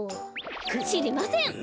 しりません。